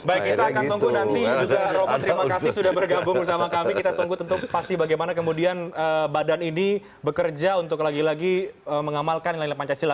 baik kita akan tunggu nanti juga romo terima kasih sudah bergabung bersama kami kita tunggu tentu pasti bagaimana kemudian badan ini bekerja untuk lagi lagi mengamalkan nilai pancasila